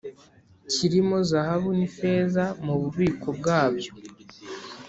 kirimo izahabu n’ifeza mububiko bwabyo